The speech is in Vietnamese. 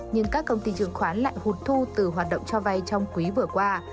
nhưng các công ty trường khoán lại hụt thu từ hoạt động cho vay trong quý vừa qua